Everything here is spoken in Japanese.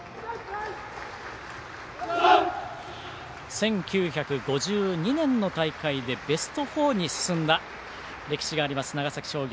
１９５２年の大会でベスト４に進んだ歴史があります、長崎商業。